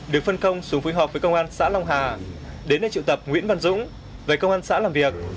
được phân công xuống phối hợp với công an xã long hà đến nơi triệu tập nguyễn văn dũng về công an xã làm việc